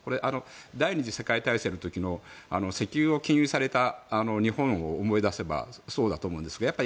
第２次世界大戦の時の石油を禁輸された日本を思い出せばそうだと思うんですけどＡＢＣＤ